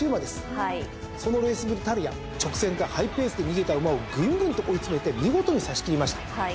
そのレースぶりたるや直線でハイペースで逃げた馬をぐんぐんと追い詰めて見事に差し切りました。